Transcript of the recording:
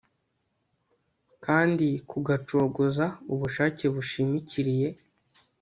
kandi kugacogoza ubushake bushimikiriye